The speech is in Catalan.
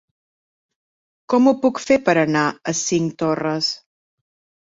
Com ho puc fer per anar a Cinctorres?